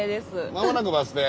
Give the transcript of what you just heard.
間もなくバス停？